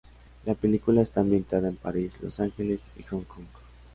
La película está ambientada en París, Los Ángeles, y Hong Kong.